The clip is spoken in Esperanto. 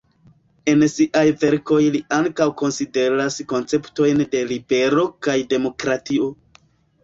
En siaj verkoj li ankaŭ konsideras konceptojn de libero kaj demokratio.